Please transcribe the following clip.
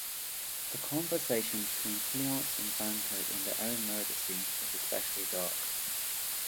The conversation between Fleance and Banquo in their own murder scene is especially dark.